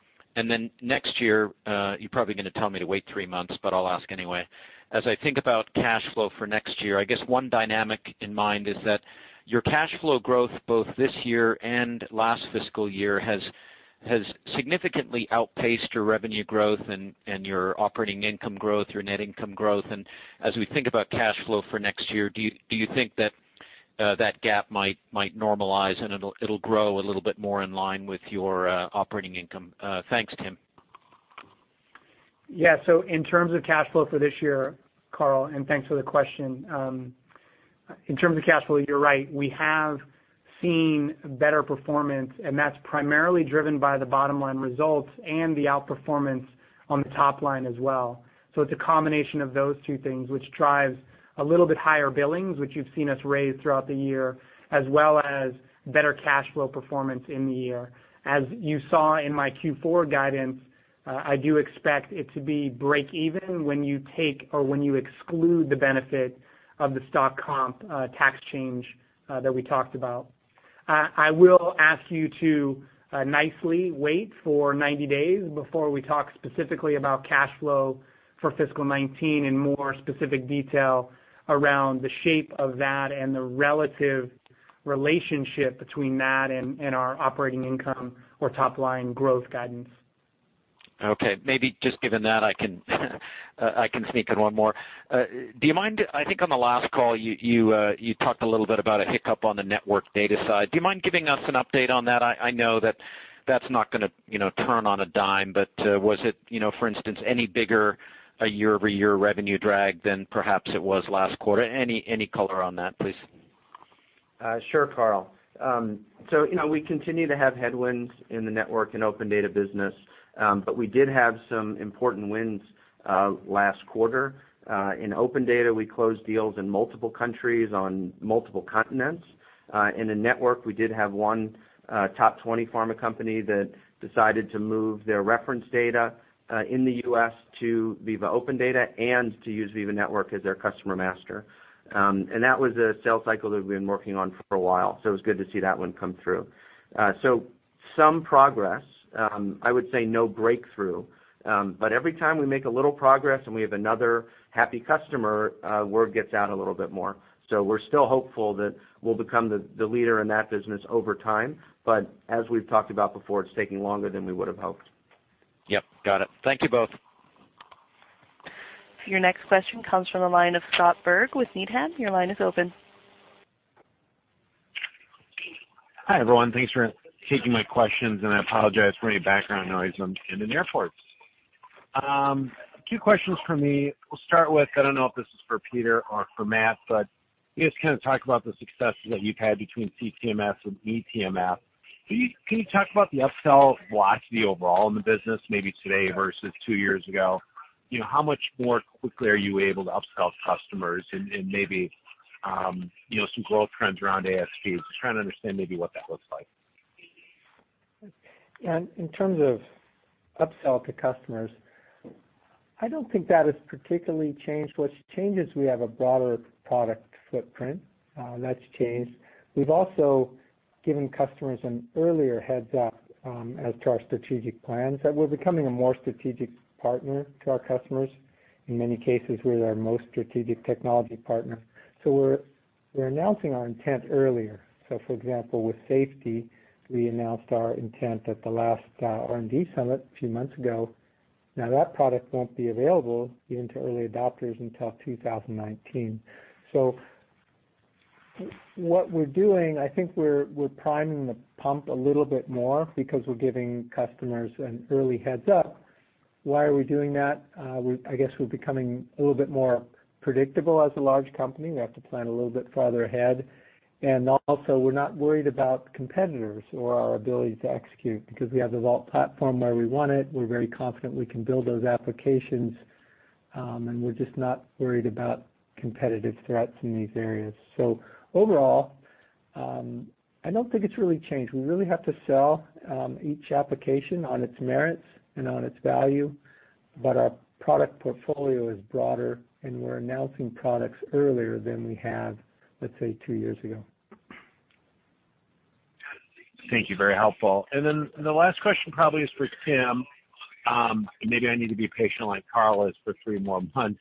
[SPEAKER 11] Next year, you're probably going to tell me to wait three months, but I'll ask anyway. As I think about cash flow for next year, I guess one dynamic in mind is that your cash flow growth both this year and last fiscal year has significantly outpaced your revenue growth and your operating income growth, your net income growth. As we think about cash flow for next year, do you think that that gap might normalize and it'll grow a little bit more in line with your operating income? Thanks, Tim.
[SPEAKER 4] Yeah. In terms of cash flow for this year, Karl, and thanks for the question. In terms of cash flow, you're right. We have seen better performance and that's primarily driven by the bottom-line results and the outperformance on the top line as well. It's a combination of those two things, which drives a little bit higher billings, which you've seen us raise throughout the year, as well as better cash flow performance in the year. As you saw in my Q4 guidance, I do expect it to be break-even when you take or when you exclude the benefit of the stock comp tax change that we talked about. I will ask you to nicely wait for 90 days before we talk specifically about cash flow for fiscal 2019 in more specific detail around the shape of that and the relative relationship between that and our operating income or top-line growth guidance.
[SPEAKER 11] Okay. Maybe just given that I can sneak in one more. I think on the last call you talked a little bit about a hiccup on the Network data side. Do you mind giving us an update on that? I know that that's not going to turn on a dime, but was it, for instance, any bigger a year-over-year revenue drag than perhaps it was last quarter? Any color on that, please?
[SPEAKER 6] Sure, Karl. We continue to have headwinds in the Network and OpenData business. We did have some important wins last quarter. In OpenData, we closed deals in multiple countries on multiple continents In the Network, we did have one top 20 pharma company that decided to move their reference data in the U.S. to Veeva OpenData and to use Veeva Network as their customer master. That was a sales cycle that we've been working on for a while, so it was good to see that one come through. Some progress. I would say no breakthrough. Every time we make a little progress and we have another happy customer, word gets out a little bit more. We're still hopeful that we'll become the leader in that business over time. As we've talked about before, it's taking longer than we would've hoped.
[SPEAKER 11] Yep. Got it. Thank you both.
[SPEAKER 1] Your next question comes from the line of Scott Berg with Needham. Your line is open.
[SPEAKER 12] Hi, everyone. Thanks for taking my questions, and I apologize for any background noise. I'm in an airport. Two questions from me. We'll start with, I don't know if this is for Peter or for Matt, but you guys kind of talked about the successes that you've had between CTMS and eTMF. Can you talk about the upsell velocity overall in the business, maybe today versus two years ago? How much more quickly are you able to upsell customers and maybe some growth trends around ASPs? Just trying to understand maybe what that looks like.
[SPEAKER 3] In terms of upsell to customers, I don't think that has particularly changed. What's changed is we have a broader product footprint. That's changed. We've also given customers an earlier heads-up as to our strategic plans, that we're becoming a more strategic partner to our customers. In many cases, we're their most strategic technology partner. We're announcing our intent earlier. For example, with safety, we announced our intent at the last R&D summit a few months ago. Now, that product won't be available even to early adopters until 2019. What we're doing, I think we're priming the pump a little bit more because we're giving customers an early heads-up. Why are we doing that? I guess we're becoming a little bit more predictable as a large company. We have to plan a little bit farther ahead. We're not worried about competitors or our ability to execute because we have the Vault platform where we want it. We're very confident we can build those applications, and we're just not worried about competitive threats in these areas. Overall, I don't think it's really changed. We really have to sell each application on its merits and on its value. Our product portfolio is broader, and we're announcing products earlier than we have, let's say, two years ago.
[SPEAKER 12] Thank you. Very helpful. Then the last question probably is for Tim. Maybe I need to be patient like Karl is for three more months.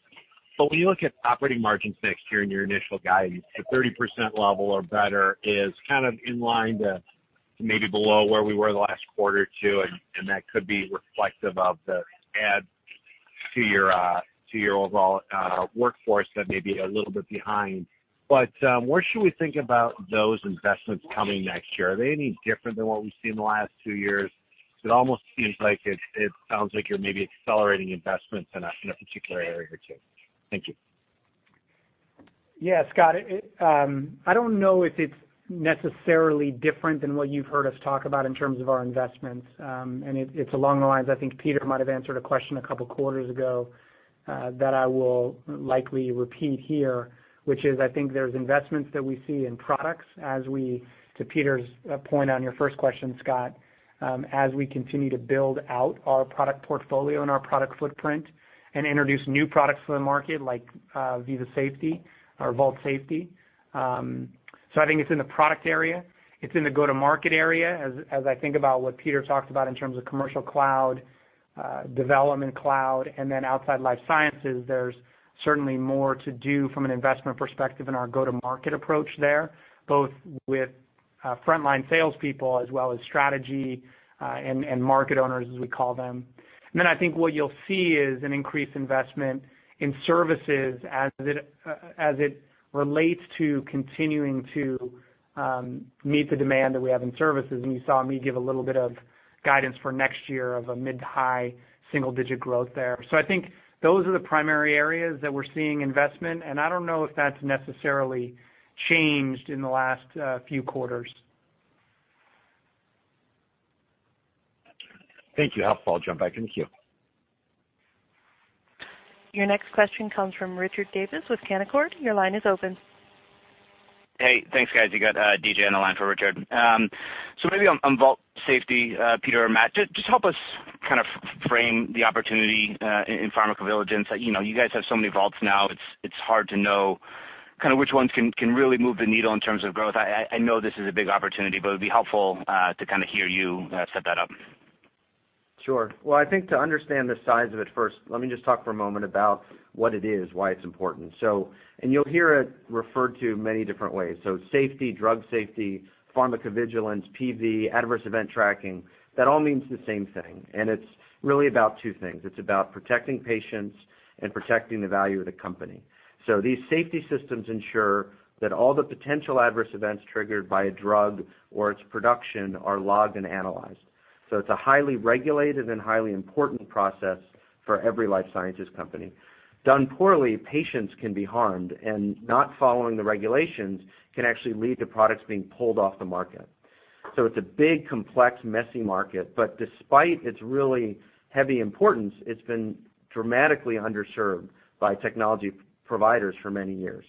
[SPEAKER 12] When you look at operating margins next year in your initial guidance, the 30% level or better is kind of in line to maybe below where we were the last quarter or two, and that could be reflective of the adds to your overall workforce that may be a little bit behind. Where should we think about those investments coming next year? Are they any different than what we've seen in the last two years? It almost seems like it sounds like you're maybe accelerating investments in a particular area or two. Thank you.
[SPEAKER 4] Yeah, Scott, I don't know if it's necessarily different than what you've heard us talk about in terms of our investments. It's along the lines, I think Peter might have answered a question a couple of quarters ago that I will likely repeat here, which is, I think there's investments that we see in products as we, to Peter's point on your first question, Scott, as we continue to build out our product portfolio and our product footprint and introduce new products to the market like Veeva Safety or Vault Safety. I think it's in the product area. It's in the go-to-market area, as I think about what Peter talked about in terms of commercial cloud, development cloud, then outside life sciences, there's certainly more to do from an investment perspective in our go-to-market approach there, both with frontline salespeople as well as strategy and market owners, as we call them. I think what you'll see is an increased investment in services as it relates to continuing to meet the demand that we have in services. You saw me give a little bit of guidance for next year of a mid-high single-digit growth there. I think those are the primary areas that we're seeing investment, and I don't know if that's necessarily changed in the last few quarters.
[SPEAKER 12] Thank you. Helpful. I'll jump back in the queue.
[SPEAKER 1] Your next question comes from Richard Davis with Canaccord. Your line is open.
[SPEAKER 13] Hey, thanks, guys. You got DJ on the line for Richard. Maybe on Vault Safety, Peter or Matt, just help us kind of frame the opportunity in pharmacovigilance. You guys have so many Vaults now, it's hard to know kind of which ones can really move the needle in terms of growth. I know this is a big opportunity, but it'd be helpful to kind of hear you set that up.
[SPEAKER 3] Sure. Well, I think to understand the size of it first, let me just talk for a moment about what it is, why it's important. You'll hear it referred to many different ways. Safety, drug safety, pharmacovigilance, PV, adverse event tracking, that all means the same thing. It's really about two things. It's about protecting patients and protecting the value of the company. These safety systems ensure that all the potential adverse events triggered by a drug or its production are logged and analyzed. It's a highly regulated and highly important process for every life sciences company. Done poorly, patients can be harmed, and not following the regulations can actually lead to products being pulled off the market.
[SPEAKER 6] It's a big, complex, messy market, but despite its really heavy importance, it's been dramatically underserved by technology providers for many years.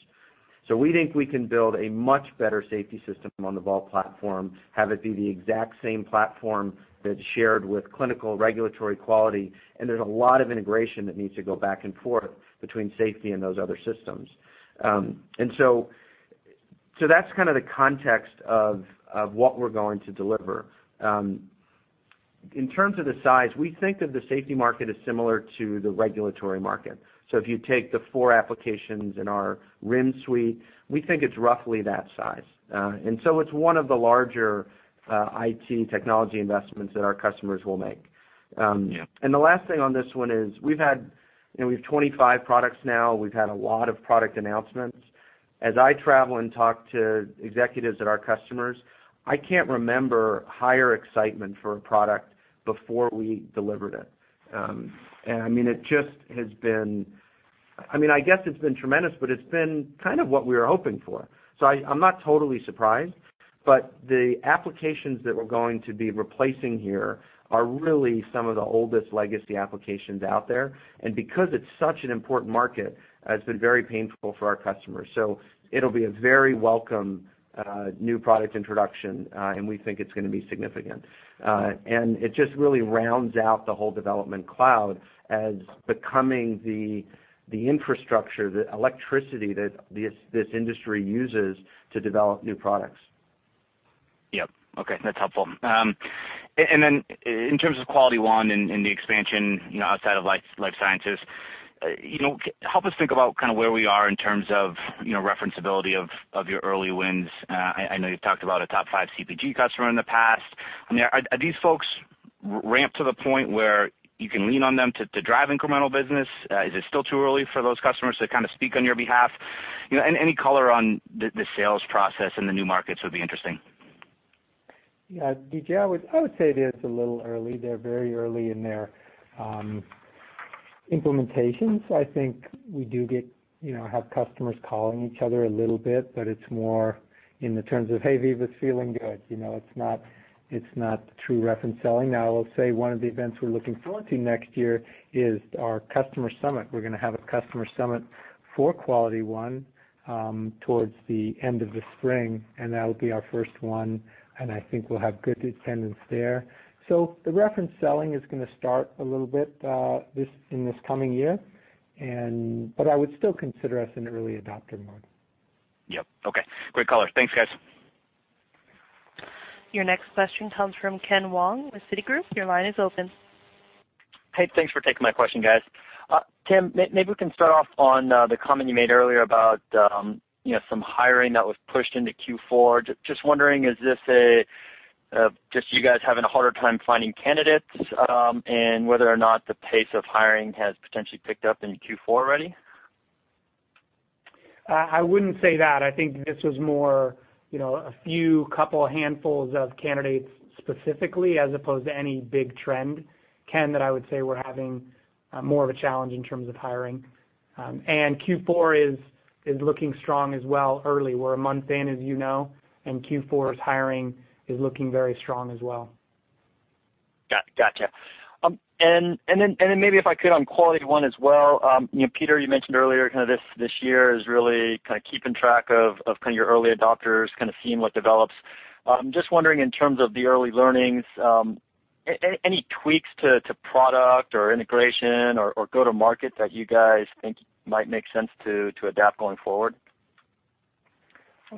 [SPEAKER 6] We think we can build a much better safety system on the Vault platform, have it be the exact same platform that's shared with clinical regulatory quality, and there's a lot of integration that needs to go back and forth between safety and those other systems. That's kind of the context of what we're going to deliver. In terms of the size, we think that the safety market is similar to the regulatory market. If you take the four applications in our RIM suite, we think it's roughly that size. It's one of the larger IT technology investments that our customers will make.
[SPEAKER 13] Yeah.
[SPEAKER 6] The last thing on this one is, we have 25 products now. We've had a lot of product announcements. As I travel and talk to executives at our customers, I can't remember higher excitement for a product before we delivered it. I guess it's been tremendous, but it's been kind of what we were hoping for. I'm not totally surprised, but the applications that we're going to be replacing here are really some of the oldest legacy applications out there. Because it's such an important market, it's been very painful for our customers. It'll be a very welcome new product introduction, and we think it's going to be significant. It just really rounds out the whole Veeva Development Cloud as becoming the infrastructure, the electricity that this industry uses to develop new products.
[SPEAKER 13] Yep. Okay. That's helpful. In terms of QualityOne and the expansion outside of life sciences, help us think about where we are in terms of referenceability of your early wins. I know you've talked about a top five CPG customer in the past. Are these folks ramped to the point where you can lean on them to drive incremental business? Is it still too early for those customers to kind of speak on your behalf? Any color on the sales process in the new markets would be interesting.
[SPEAKER 3] Yeah, DJ, I would say it is a little early. They're very early in their implementation. I think we do have customers calling each other a little bit, but it's more in the terms of, "Hey, Veeva's feeling good." It's not true reference selling. I will say one of the events we're looking forward to next year is our customer summit. We're going to have a customer summit for QualityOne towards the end of the spring, and that'll be our first one, and I think we'll have good attendance there. The reference selling is going to start a little bit in this coming year, but I would still consider us in early adopter mode.
[SPEAKER 13] Yep. Okay. Great color. Thanks, guys.
[SPEAKER 1] Your next question comes from Ken Wong with Citigroup. Your line is open.
[SPEAKER 14] Hey, thanks for taking my question, guys. Tim, maybe we can start off on the comment you made earlier about some hiring that was pushed into Q4. Just wondering, is this just you guys having a harder time finding candidates, and whether or not the pace of hiring has potentially picked up in Q4 already?
[SPEAKER 4] I wouldn't say that. I think this was more a few couple handfuls of candidates specifically as opposed to any big trend, Ken, that I would say we're having more of a challenge in terms of hiring. Q4 is looking strong as well early. We're a month in, as you know, Q4's hiring is looking very strong as well.
[SPEAKER 14] Gotcha. Maybe if I could on QualityOne as well. Peter, you mentioned earlier, this year is really keeping track of your early adopters, kind of seeing what develops. Just wondering in terms of the early learnings, any tweaks to product or integration or go-to-market that you guys think might make sense to adapt going forward?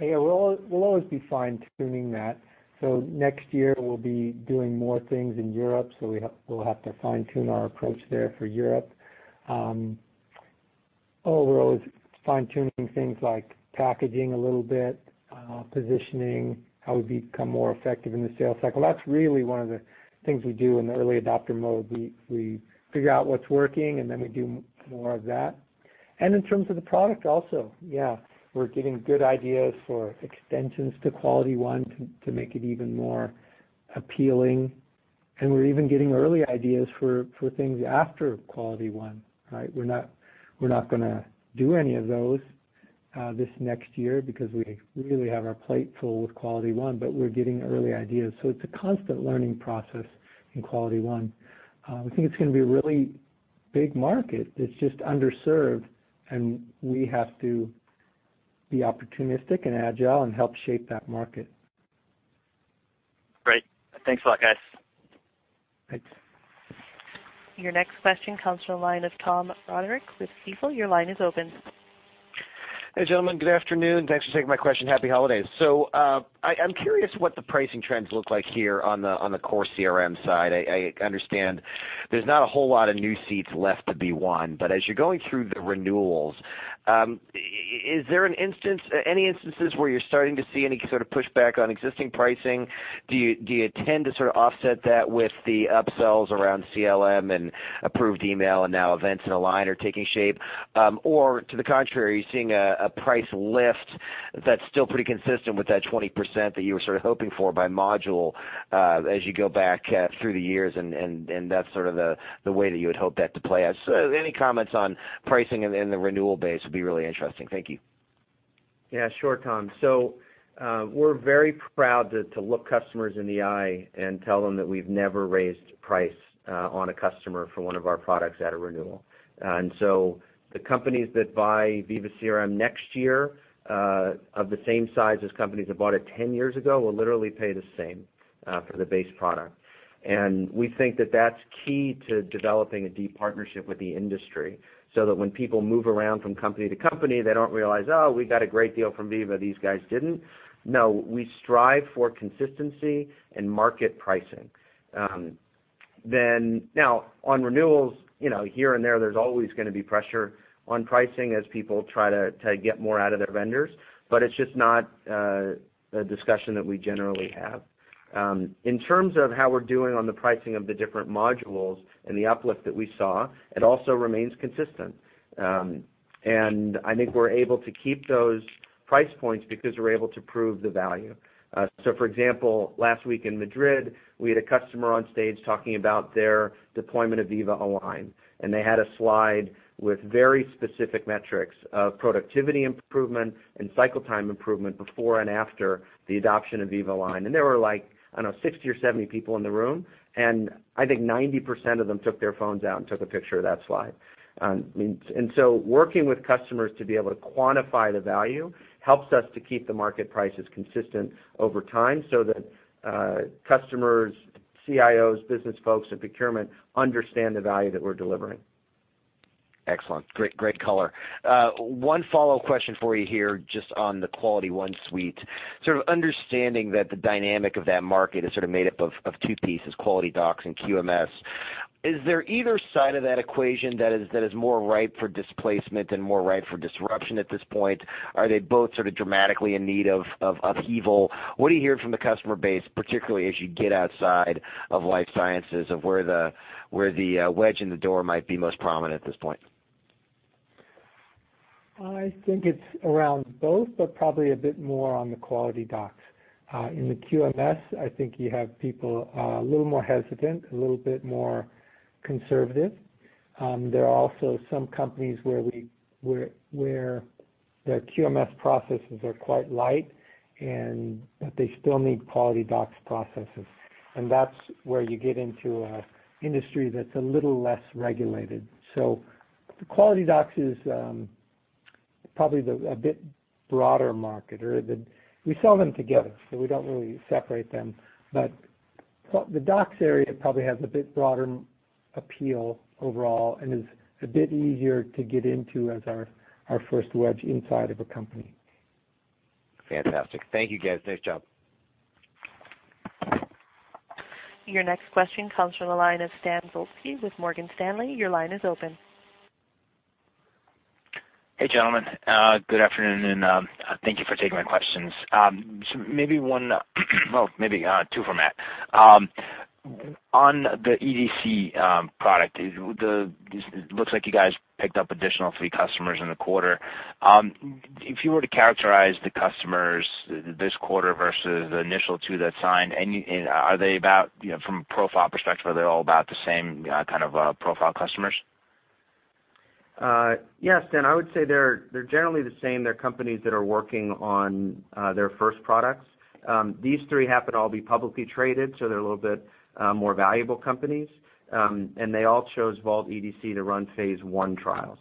[SPEAKER 3] Yeah. We'll always be fine-tuning that. Next year, we'll be doing more things in Europe, we'll have to fine-tune our approach there for Europe. We're always fine-tuning things like packaging a little bit, positioning, how we become more effective in the sales cycle. That's really one of the things we do in the early adopter mode. We figure out what's working, we do more of that. In terms of the product also, yeah, we're getting good ideas for extensions to QualityOne to make it even more appealing, we're even getting early ideas for things after QualityOne. We're not going to do any of those this next year because we really have our plate full with QualityOne, but we're getting early ideas. It's a constant learning process in QualityOne. We think it's going to be a really big market that's just underserved, we have to be opportunistic and agile and help shape that market.
[SPEAKER 14] Great. Thanks a lot, guys.
[SPEAKER 3] Thanks.
[SPEAKER 1] Your next question comes from the line of Tom Roderick with Stifel. Your line is open.
[SPEAKER 15] Hey, gentlemen. Good afternoon. Thanks for taking my question. Happy holidays. I'm curious what the pricing trends look like here on the core CRM side. I understand there's not a whole lot of new seats left to be won, but as you're going through the renewals, is there any instances where you're starting to see any sort of pushback on existing pricing? Do you tend to sort of offset that with the upsells around CLM and Approved Email and now events and Align are taking shape? To the contrary, are you seeing a price lift that's still pretty consistent with that 20% that you were sort of hoping for by module as you go back through the years and that's sort of the way that you would hope that to play out? Any comments on pricing and the renewal base would be really interesting. Thank you.
[SPEAKER 6] Yeah, sure, Tom. We're very proud to look customers in the eye and tell them that we've never raised price on a customer for one of our products at a renewal. The companies that buy Veeva CRM next year, of the same size as companies that bought it 10 years ago, will literally pay the same for the base product. We think that that's key to developing a deep partnership with the industry, so that when people move around from company to company, they don't realize, "Oh, we got a great deal from Veeva, these guys didn't." No, we strive for consistency and market pricing. Now, on renewals, here and there's always going to be pressure on pricing as people try to get more out of their vendors, it's just not a discussion that we generally have. In terms of how we're doing on the pricing of the different modules and the uplift that we saw, it also remains consistent. I think we're able to keep those price points because we're able to prove the value. For example, last week in Madrid, we had a customer on stage talking about their deployment of Veeva Align, they had a slide with very specific metrics of productivity improvement and cycle time improvement before and after the adoption of Veeva Align. There were like, I don't know, 60 or 70 people in the room, I think 90% of them took their phones out and took a picture of that slide. Working with customers to be able to quantify the value helps us to keep the market prices consistent over time so that customers, CIOs, business folks, and procurement understand the value that we're delivering.
[SPEAKER 15] Excellent. Great color. One follow-up question for you here, just on the QualityOne suite. Understanding that the dynamic of that market is made up of two pieces, QualityDocs and QMS. Is there either side of that equation that is more ripe for displacement and more ripe for disruption at this point? Are they both dramatically in need of Veeva? What do you hear from the customer base, particularly as you get outside of life sciences, of where the wedge in the door might be most prominent at this point?
[SPEAKER 3] I think it's around both, but probably a bit more on the QualityDocs. In the QMS, I think you have people a little more hesitant, a little bit more conservative. There are also some companies where their QMS processes are quite light, but they still need QualityDocs processes. That's where you get into an industry that's a little less regulated. The QualityDocs is probably a bit broader market or we sell them together, so we don't really separate them. The docs area probably has a bit broader appeal overall and is a bit easier to get into as our first wedge inside of a company.
[SPEAKER 15] Fantastic. Thank you, guys. Nice job.
[SPEAKER 1] Your next question comes from the line of Stan Berenshteyn with Morgan Stanley. Your line is open.
[SPEAKER 16] Hey, gentlemen. Good afternoon, and thank you for taking my questions. Maybe one, well, maybe two for Matt. On the EDC product, it looks like you guys picked up additional three customers in the quarter. If you were to characterize the customers this quarter versus the initial two that signed, from a profile perspective, are they all about the same kind of profile customers?
[SPEAKER 6] Yeah, Stan, I would say they're generally the same. They're companies that are working on their first products. These three happen to all be publicly traded, so they're a little bit more valuable companies. They all chose Vault EDC to run phase I trials.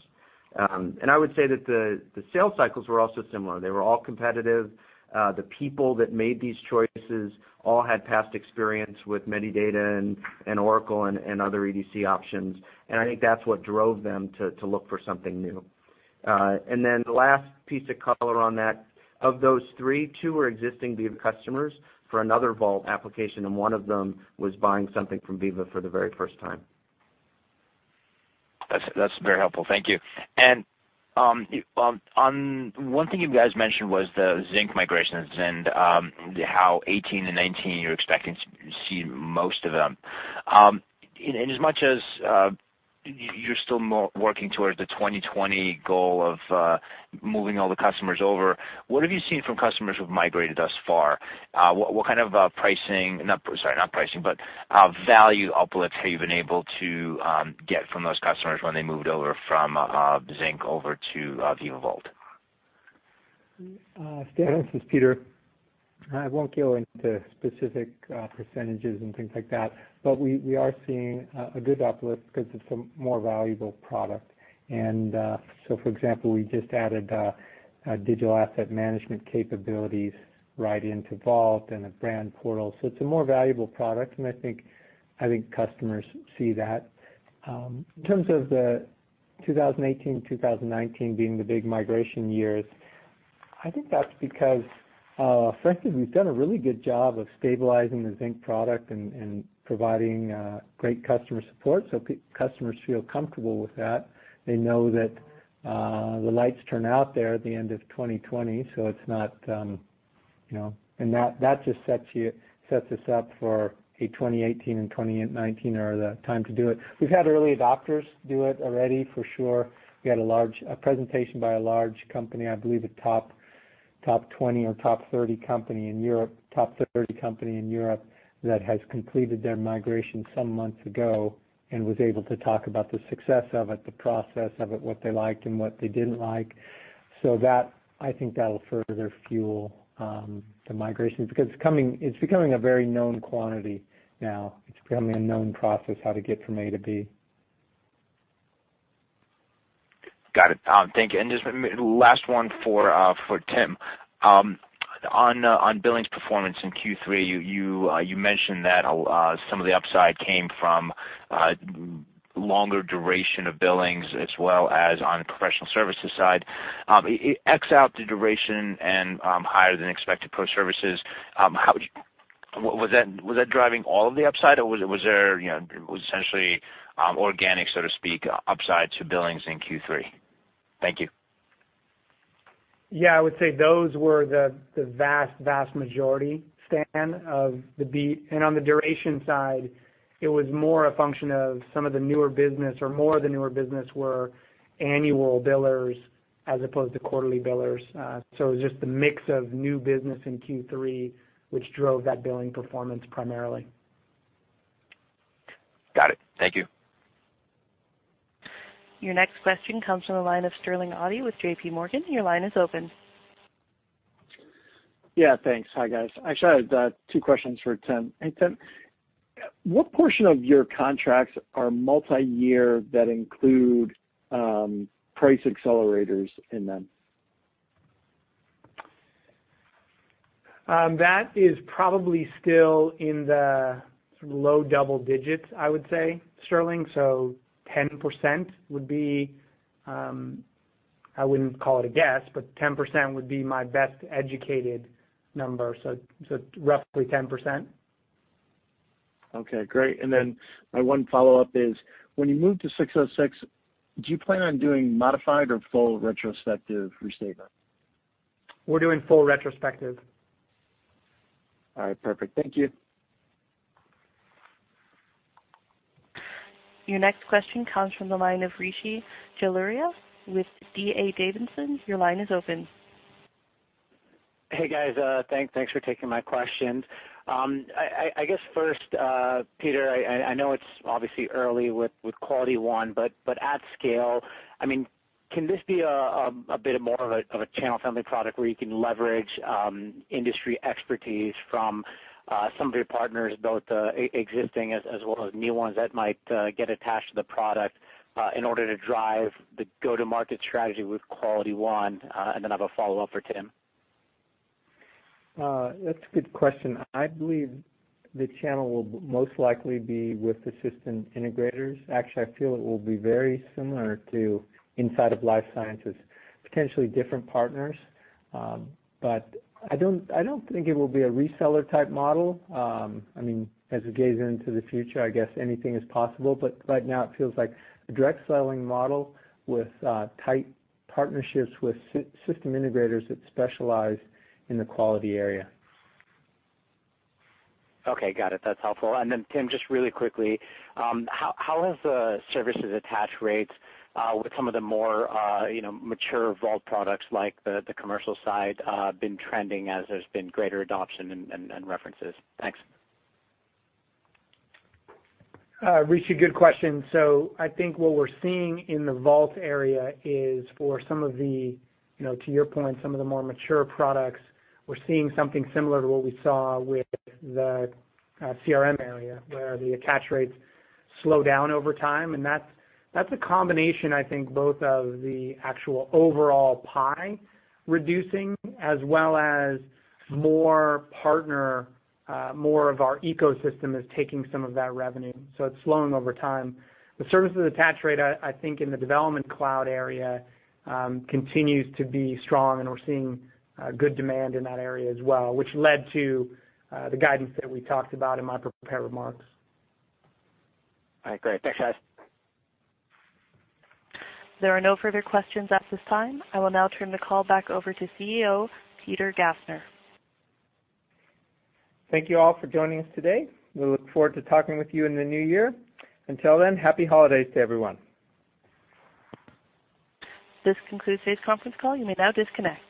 [SPEAKER 6] I would say that the sales cycles were also similar. They were all competitive. The people that made these choices all had past experience with Medidata Solutions and Oracle Corporation and other EDC options. I think that's what drove them to look for something new. Then the last piece of color on that, of those three, two are existing Veeva customers for another Vault application, and one of them was buying something from Veeva for the very first time.
[SPEAKER 16] That's very helpful. Thank you. One thing you guys mentioned was the Zinc migrations and how 2018 and 2019, you're expecting to see most of them. As much as you're still working towards the 2020 goal of moving all the customers over, what have you seen from customers who've migrated thus far? What kind of pricing, sorry, not pricing, but value uplifts have you been able to get from those customers when they moved over from Zinc over to Veeva Vault?
[SPEAKER 3] Stan, this is Peter. I won't go into specific percentages and things like that, but we are seeing a good uplift because it's a more valuable product. For example, we just added digital asset management capabilities right into Vault and a brand portal. It's a more valuable product, and I think customers see that. In terms of the 2018-2019 being the big migration years, I think that's because, frankly, we've done a really good job of stabilizing the Zinc product and providing great customer support. Customers feel comfortable with that. They know that the lights turn out there at the end of 2020. That just sets us up for a 2018 and 2019 are the time to do it. We've had early adopters do it already, for sure. We had a presentation by a large company, I believe a top 20 or top 30 company in Europe that has completed their migration some months ago and was able to talk about the success of it, the process of it, what they liked and what they didn't like. I think that'll further fuel the migration, because it's becoming a very known quantity now. It's becoming a known process, how to get from A to B.
[SPEAKER 16] Got it. Thank you. Just last one for Tim. On billings performance in Q3, you mentioned that some of the upside came from longer duration of billings, as well as on the professional services side. X out the duration and higher than expected pro services, was that driving all of the upside or was there essentially organic, so to speak, upside to billings in Q3? Thank you.
[SPEAKER 4] Yeah, I would say those were the vast majority, Stan, of the beat. On the duration side, it was more a function of some of the newer business or more of the newer business were annual billers as opposed to quarterly billers. It was just the mix of new business in Q3, which drove that billing performance primarily.
[SPEAKER 16] Got it. Thank you.
[SPEAKER 1] Your next question comes from the line of Sterling Auty with J.P. Morgan. Your line is open.
[SPEAKER 17] Yeah, thanks. Hi, guys. Actually, I have two questions for Tim. Hey, Tim. What portion of your contracts are multi-year that include price accelerators in them?
[SPEAKER 4] That is probably still in the low double digits, I would say, Sterling. 10% would be, I wouldn't call it a guess, but 10% would be my best educated number. Roughly 10%.
[SPEAKER 17] Okay, great. My one follow-up is, when you move to 606, do you plan on doing modified or full retrospective restatement?
[SPEAKER 4] We're doing full retrospective.
[SPEAKER 17] All right, perfect. Thank you.
[SPEAKER 1] Your next question comes from the line of Rishi Jaluria with D.A. Davidson. Your line is open.
[SPEAKER 18] Hey, guys. Thanks for taking my questions. I guess first, Peter, I know it's obviously early with QualityOne, but at scale, can this be a bit more of a channel-friendly product where you can leverage industry expertise from some of your partners, both existing as well as new ones that might get attached to the product in order to drive the go-to-market strategy with QualityOne? I have a follow-up for Tim.
[SPEAKER 3] That's a good question. I believe the channel will most likely be with the system integrators. Actually, I feel it will be very similar to inside of life sciences. Potentially different partners, but I don't think it will be a reseller-type model. As we gaze into the future, I guess anything is possible, but right now it feels like a direct selling model with tight partnerships with system integrators that specialize in the quality area.
[SPEAKER 18] Okay, got it. That's helpful. Tim, just really quickly, how has the services attach rates with some of the more mature Vault products like the commercial side been trending as there's been greater adoption and references? Thanks.
[SPEAKER 4] Rishi, good question. I think what we're seeing in the Vault area is for some of the, to your point, some of the more mature products, we're seeing something similar to what we saw with the CRM area, where the attach rates slow down over time, and that's a combination, I think, both of the actual overall pie reducing as well as more partner, more of our ecosystem is taking some of that revenue. It's slowing over time. The services attach rate, I think, in the Development Cloud area continues to be strong, and we're seeing good demand in that area as well, which led to the guidance that we talked about in my prepared remarks.
[SPEAKER 18] All right, great. Thanks, guys.
[SPEAKER 1] There are no further questions at this time. I will now turn the call back over to CEO, Peter Gassner.
[SPEAKER 3] Thank you all for joining us today. We look forward to talking with you in the new year. Until then, happy holidays to everyone.
[SPEAKER 1] This concludes today's conference call. You may now disconnect.